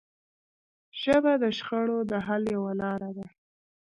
ژبه د شخړو د حل یوه لاره ده